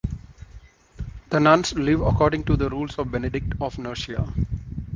The nuns live according to the rules of Benedict of Nursia.